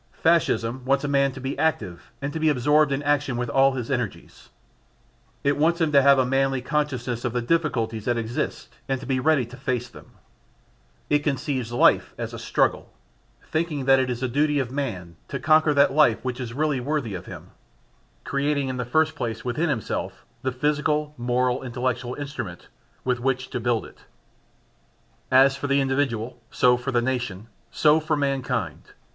Fascism wants a man to be active and to be absorbed in action with all his energies; it wants him to have a manly consciousness of the difficulties that exist and to be ready to face them. It conceives life as a struggle, thinking that it is the duty of man to conquer that life which is really worthy of him: creating in the first place within himself the (physical, moral, intellectual) instrument with which to build it. As for the individual, so for the nation, so for mankind.